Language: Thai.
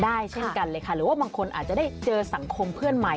เช่นกันเลยค่ะหรือว่าบางคนอาจจะได้เจอสังคมเพื่อนใหม่